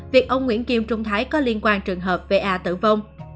việc ông nguyễn kim trung thái có liên quan trường hợp va tử vong